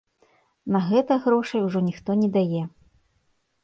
На гэта грошай ужо ніхто не дае.